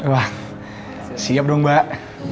wah siap dong mbak